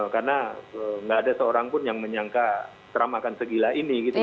karena tidak ada seorang pun yang menyangka seramakan segila ini